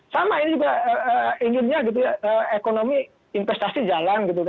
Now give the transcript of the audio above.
sama ini juga inginnya ekonomi investasi jalan